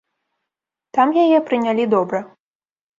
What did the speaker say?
Там яе прынялі добра.